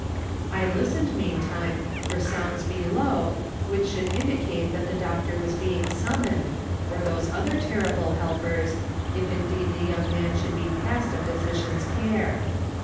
I listened, meantime, for sounds below, which should indicate that the doctor was being summoned, or those other terrible helpers, if indeed the young man should be past a physician's care.